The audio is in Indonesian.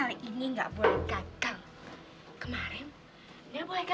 lihat dia udah jadi anak yang baik